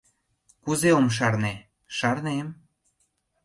Кузе ом шарне, шарнем.